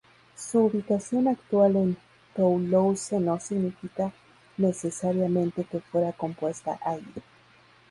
Su ubicación actual en Toulouse no significa necesariamente que fuera compuesta allí.